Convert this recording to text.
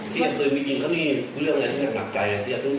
ที่เกิดมียิงเค้านี่เลือกได้ไหน